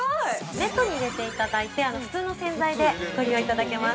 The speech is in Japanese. ◆ネットに入れていただいて普通の洗剤でご利用いただけます。